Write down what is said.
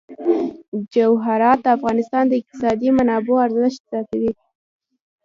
جواهرات د افغانستان د اقتصادي منابعو ارزښت زیاتوي.